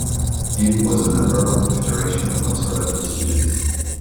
Gibb was a member of the Federation of Conservative Students.